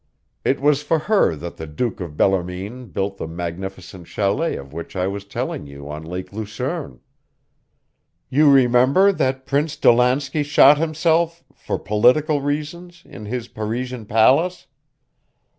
"It was for her that the Duke of Bellarmine built the magnificent chalet of which I was telling you on Lake Lucerne. You remember that Prince Dolansky shot himself 'for political reasons' in his Parisian palace?